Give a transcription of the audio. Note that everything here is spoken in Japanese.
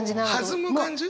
弾む感じ？